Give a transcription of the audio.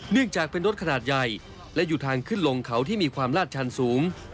จากเป็นรถขนาดใหญ่และอยู่ทางขึ้นลงเขาที่มีความลาดชันสูง